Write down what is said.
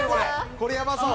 「これやばそう」